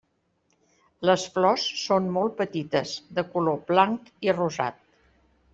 Les flors són molt petites, de color blanc i rosat.